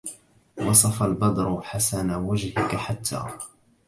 وصف البدر حسن وجهك حتى